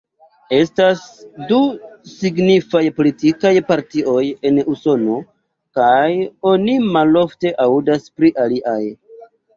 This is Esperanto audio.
Estas du signifaj politikaj partioj en Usono kaj oni malofte aŭdas pri aliaj.